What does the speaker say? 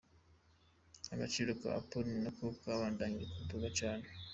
Agaciro ka Apple na ko kabandanije kaduga cane.